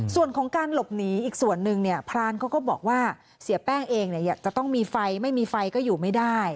ส่วนของการหลบหนีอีกส่วนหนึ่งเนี่ยพรานเขาก็บอกว่าเสียแป้งเองจะต้องมีไฟไม่มีไฟก็อยู่ไม่ได้